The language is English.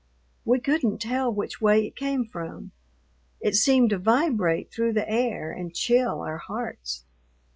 We couldn't tell which way it came from; it seemed to vibrate through the air and chill our hearts.